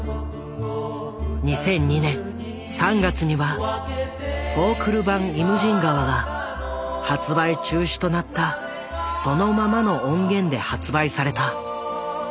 ２００２年３月にはフォークル版「イムジン河」が発売中止となったそのままの音源で発売された。